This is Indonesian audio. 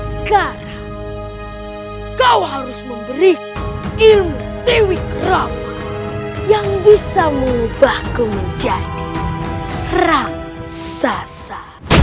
sekarang kau harus memberi ilmu tawikrum yang bisa mengubahku menjadi raksasa